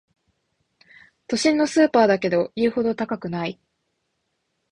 都心のスーパーだけど言うほど高くない